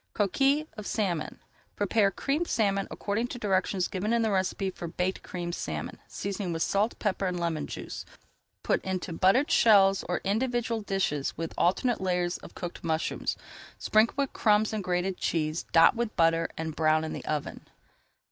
COQUILLES OF SALMON Prepare Creamed Salmon according to [Page 302] directions given in the recipe for Baked Creamed Salmon, seasoning with salt, pepper and lemon juice. Put into buttered shells or individual dishes with alternate layers of cooked mushrooms. Sprinkle with crumbs and grated cheese, dot with butter and brown in the oven.